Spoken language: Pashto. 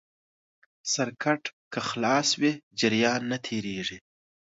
سرکټ که خلاص وي جریان نه تېرېږي.